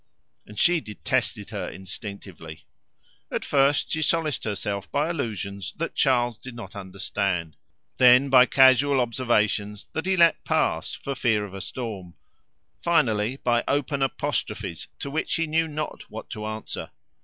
And she detested her instinctively. At first she solaced herself by allusions that Charles did not understand, then by casual observations that he let pass for fear of a storm, finally by open apostrophes to which he knew not what to answer.